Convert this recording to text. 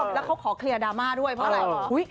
แล้วเขาขอเคลียร์ดราม่าด้วยเพราะอะไร